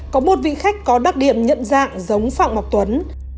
có một vị khách có đặc điểm nhận dạng giống phạm ngọc tuấn